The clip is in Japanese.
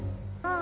あ！